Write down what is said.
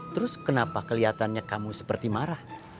terus kenapa kelihatannya kamu seperti marah